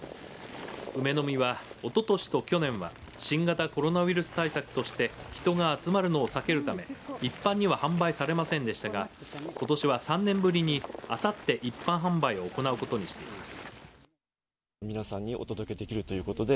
梅の実は、おととしと去年は新型コロナウイルス対策として人が集まるのを避けるため一般には販売されませんでしたがことしは３年ぶりにあさって一般販売を行うことにしています。